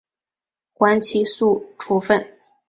缓起诉处分。